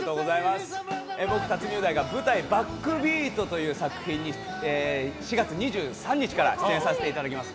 僕、辰巳雄大が舞台「ＢＡＣＫＢＥＡＴ」という作品に４月２３日から出演させていただきます。